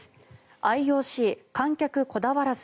ＩＯＣ観客こだわらず。